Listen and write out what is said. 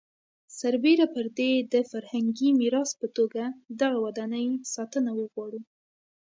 سربېره پر دې د فرهنګي میراث په توګه دغه ودانۍ ساتنه وغواړو.